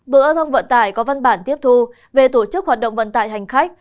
bộ giao thông vận tải có văn bản tiếp thu về tổ chức hoạt động vận tải hành khách